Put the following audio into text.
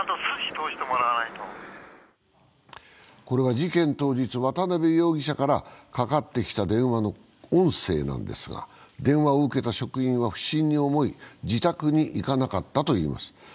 これは事件当日、渡辺容疑者からかかってきた電話の音声なんですが電話を受けた職員は不審に思い、自宅に行かなかったと言います。